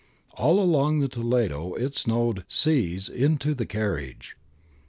All along the Toledo it ' snowed sis ' into the carriage.